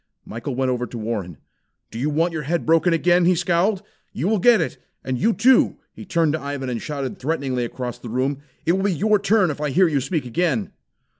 Michael went over to Warren. "Do you want your head broken again?" he scowled. "You will get it. And you, too!" He turned to Ivan, and shouted threateningly across the room. "It will be your turn if I hear you speak again."